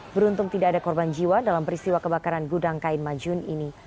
beruntung tidak ada korban jiwa dalam peristiwa kebakaran gudang kain majun ini